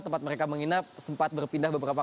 tempat mereka menginap sempat berpindah beberapa